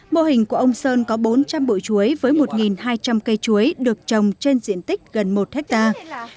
mô hình của ông sơn có bốn trăm linh bụi chuối với một hai trăm linh cây chuối được trồng trên diện tích gần một hectare